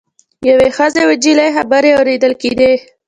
یوې ښځې او نجلۍ خبرې اوریدل کیدې.